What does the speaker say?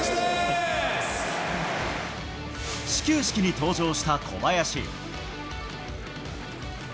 始球式に登場した小林。